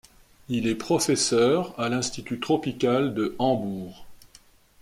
Il est professeur à l’Institut tropical de Hambourg.